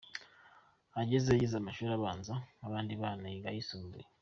Agezeyo yize amashuri abanza nk’abandi bana, yiga ayisumbuye.